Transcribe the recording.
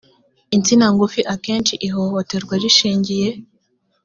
insina ngufi akenshi ihohoterwa rishingiye